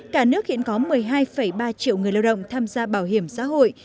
cả nước hiện có một mươi hai ba triệu người lao động tham gia bảo hiểm xã hội